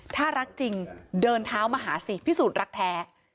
ถ้ารักจริงเดินเท้ามาหาสิพิสูจน์รักแท้